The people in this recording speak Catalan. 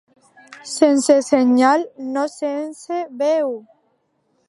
Sense senyal, no sense veu!